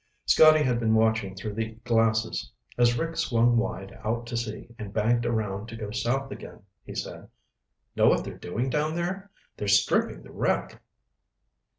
Scotty had been watching through the glasses. As Rick swung wide out to sea and banked around to go south again, he said, "Know what they're doing down there? They're stripping the wreck."